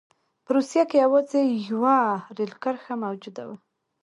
په روسیه کې یوازې یوه رېل کرښه موجوده وه.